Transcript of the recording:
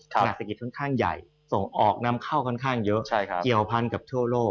เศรษฐกิจค่อนข้างใหญ่ส่งออกนำเข้าค่อนข้างเยอะเกี่ยวพันกับทั่วโลก